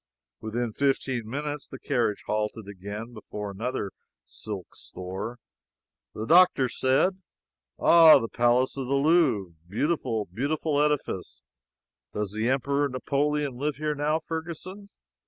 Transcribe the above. Within fifteen minutes the carriage halted again, and before another silk store. The doctor said: "Ah, the palace of the Louvre beautiful, beautiful edifice! Does the Emperor Napoleon live here now, Ferguson?"